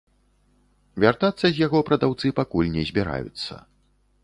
Вяртацца з яго прадаўцы пакуль не збіраюцца.